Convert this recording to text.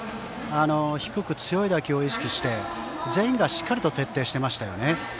低く強い打球を意識して全員がしっかりと徹底していましたね。